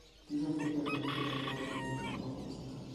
Dieser Fehler erregte weltweite mediale Aufmerksamkeit.